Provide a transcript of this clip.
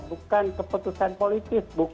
bukan keputusan politik